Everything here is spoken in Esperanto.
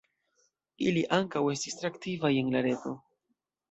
Ili ankaŭ estis tre aktivaj en la reto.